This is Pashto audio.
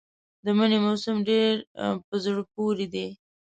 د مني موسم ډېر په زړه پورې دی.